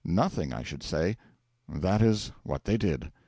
Nothing, I should say. That is what they did.